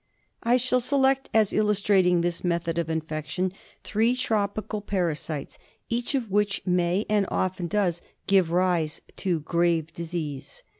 I shall select, as illustrating this method of infection, three tropical parasites each of which may, and often does, give rise to grave disease.